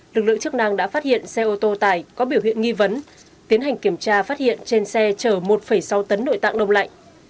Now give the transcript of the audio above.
lực lượng chức năng đã phát hiện xe ô tô tải có biểu hiện nghi vấn tiến hành kiểm tra phát hiện trên xe chở một sáu tấn nội tạng đông lạnh